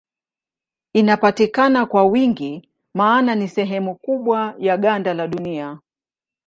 Inapatikana kwa wingi maana ni sehemu kubwa ya ganda la Dunia.